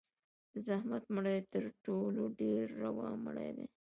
د زحمت مړۍ تر ټولو ډېره روا مړۍ ده.